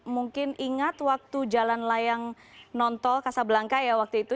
mungkin ingat waktu jalan layang nontol kasablangka ya waktu itu